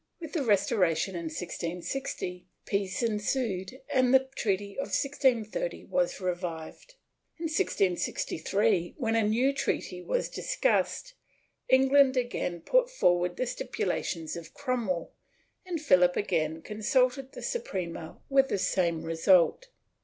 With the Restoration, in 1660, peace ensued and the treaty of 1630 was revived. In 1663, when a new treaty was dis cussed, England again put forward the stipulations of Cromwell, and Philip again consulted the Suprema with the same result.